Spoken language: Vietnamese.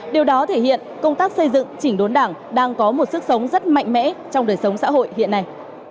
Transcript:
điều đó thể hiện công tác xây dựng chỉnh đốn đảng đang có một sức sống rất mạnh mẽ trong đời sống xã hội hiện nay